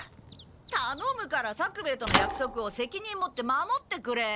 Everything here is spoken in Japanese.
たのむから作兵衛とのやくそくを責任持って守ってくれ。